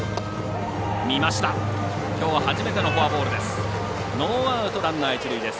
きょう、初めてのフォアボールです。